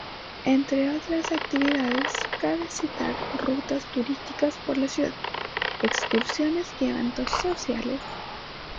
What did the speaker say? Entre otras actividades cabe citar rutas turísticas por la ciudad, excursiones y eventos sociales.